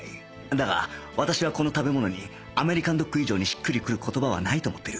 だが私はこの食べ物に「アメリカンドッグ」以上にしっくりくる言葉はないと思っている